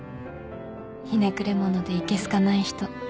「ひねくれ者でいけ好かない人」